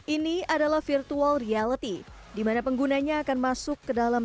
ini adalah virtual reality dimana penggunanya akan masuk ke dalam